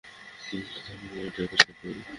ওটা ধর্ম আর জাতের ক্যাটাগরি।